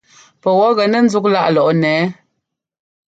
Pɛwɔ̌ gɛnɛ́ ńzúk láꞌ lɔꞌnɛ ɛ́ɛ ?